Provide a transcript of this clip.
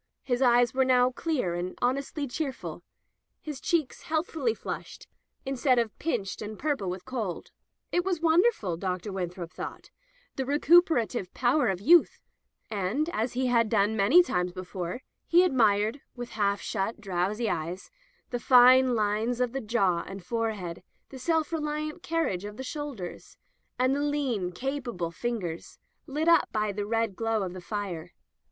His eyes were now clear and honestly cheerful, his cheeks healthfully flushed, instead of pinched and [ 397 ] Digitized by LjOOQ IC Interventions purple with cold. It was wonderful, Dn Winthrop thought — the recuperative power of youth — ^and, as he had done many times before, he admired, with half shut, drowsy eyes, the fine lines of the jaw and forehead, the self reliant carriage of the shoulders, and the lean, capable fingers, lit up by the red glow of the fire.